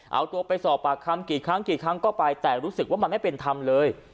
เอาตัวไปสอบปากคำกี่ครั้งกี่ครั้งก็ไปแต่รู้สึกว่ามันไม่เป็นธรรมเลย